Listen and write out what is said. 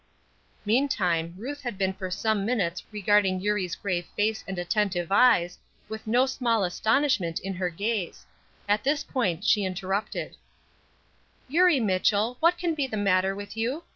Meantime Ruth had been for some minutes regarding Eurie's grave face and attentive eyes, with no small astonishment in her gaze. At this point she interrupted: "Eurie Mitchell, what can be the matter with you?